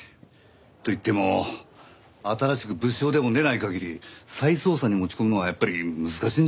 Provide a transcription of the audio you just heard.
といっても新しく物証でも出ない限り再捜査に持ち込むのはやっぱり難しいんじゃないですか？